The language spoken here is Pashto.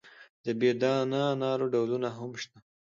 د بې دانه انارو ډولونه هم شته.